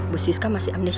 bu siska masih amnesia